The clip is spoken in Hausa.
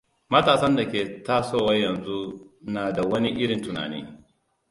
Matasan da ke tasowa yanzu na da wani irin tunani.